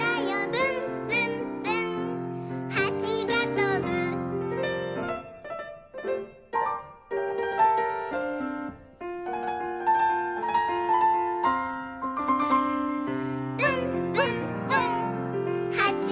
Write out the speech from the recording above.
「ぶんぶんぶんはちがとぶ」「ぶんぶんぶんはちがとぶ」